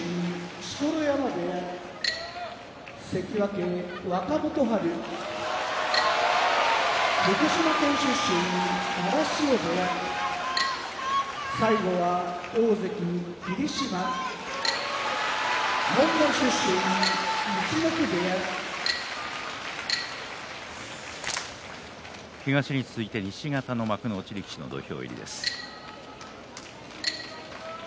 錣山部屋関脇・若元春福島県出身荒汐部屋大関・霧島モンゴル出身陸奥部屋東に続いて西方の幕内力士の土俵入りです。